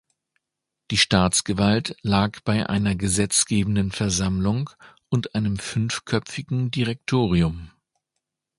Die Staatsgewalt lag bei einer gesetzgebenden Versammlung und einem fünfköpfigen Direktorium.